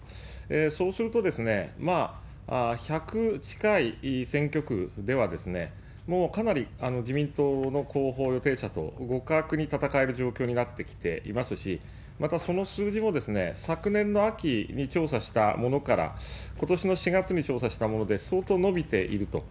そうすると、１００近い選挙区では、もうかなり自民党の候補予定者と互角に戦える状況になってきていますし、またその数字も、昨年の秋に調査したものから、ことしの４月に調査したもので、相当伸びていると。